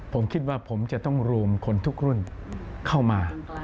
ผมคิดว่าผมจะต้องรวมคนทุกรุ่นเข้ามา